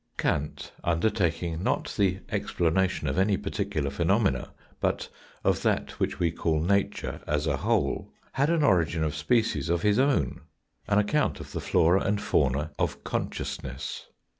Kant, undertaking not the explanation of any particular phenomena but of that which we call nature as a whole, had an origin of species of his own, an account of the flora and fauna of consciousness.